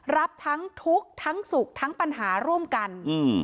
รับทั้งทุกข์ทั้งสุขทั้งปัญหาร่วมกันอืม